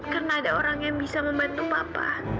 karena ada orang yang bisa membantu papa